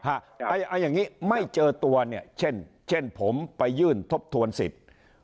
เอาอย่างนี้ไม่เจอตัวเนี่ยเช่นผมไปยื่นทบทวนสิทธิ์